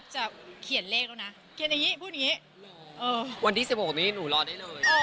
คือพี่ออมก็ไม่ได้มาใบ้หรืออะไร